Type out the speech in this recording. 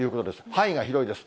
範囲が広いです。